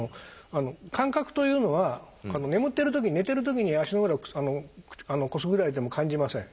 「感覚」というのは眠ってる時に寝てる時に足の裏をくすぐられても感じません。